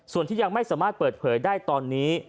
ส่วนที่ยังไม่สามารถเปิดเผยได้ตอนนี้